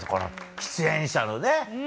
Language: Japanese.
出演者のね